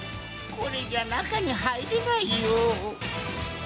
これじゃあ中に入れないよ！